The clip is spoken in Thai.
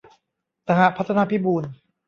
สหพัฒนพิบูล